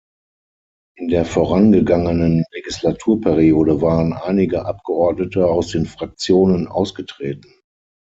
In der vorangegangenen Legislaturperiode waren einige Abgeordnete aus den Fraktionen ausgetreten.